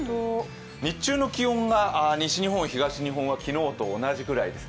日中の気温が西日本、東日本は昨日と同じくらいです。